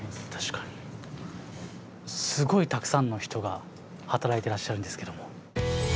すごいたくさんの人が働いてらっしゃるんですけども。